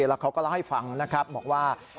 แล้วเขาก็เล่าให้ฟังนะครับบอกว่า